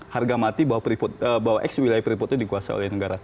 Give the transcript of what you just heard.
harga mati bahwa ex wilayah peripotnya dikuasai oleh negara